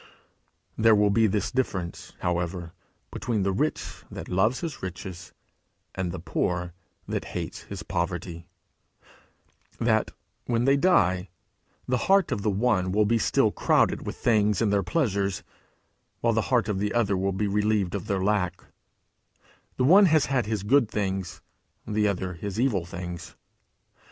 There will be this difference, however, between the rich that loves his riches and the poor that hates his poverty that, when they die, the heart of the one will be still crowded with things and their pleasures, while the heart of the other will be relieved of their lack; the one has had his good things, the other his evil things.